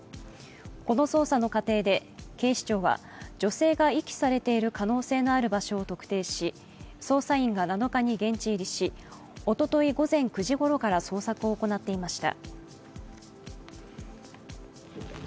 この捜査の過程で警視庁は、女性が遺棄されている可能性のある場所を特定し捜査員が７日に現地入りし、おととい午前９時ごろから捜索を行っていました。